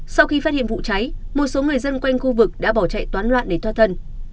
sau khi phát hiện vụ cháy một số người dân quanh khu vực đã bỏ chạy toán loạn để thoát thân